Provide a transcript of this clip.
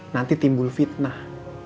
nanti timbul fitnah